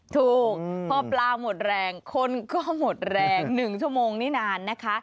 ถูกพอปลาหมดแรงคนก็หมดแรง๑ชั่วโมงนี้นานนะคะ